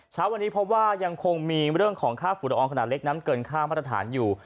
เช้าวันนี้พบว่ายังคงมีเรื่องของค่าฝุ่นละอองขนาดเล็กนั้นเกินค่ามาตรฐานอยู่